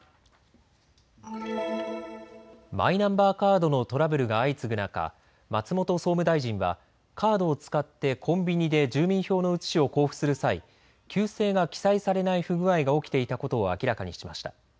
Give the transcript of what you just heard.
マイナンバーカードのトラブルが相次ぐ中、松本総務大臣はカードを使ってコンビニで住民票の写しを交付する際、旧姓が記載されない不具合が起きていたことを明らかにしました。